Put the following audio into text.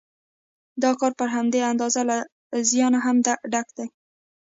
دا کار پر همدې اندازه له زیانه هم ډک دی